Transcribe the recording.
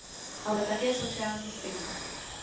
Ale také sociální stigma.